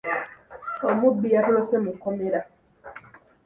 Omubbi yatolose mu kkomera.